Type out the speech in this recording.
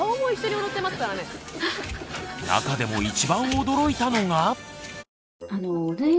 中でも一番驚いたのが。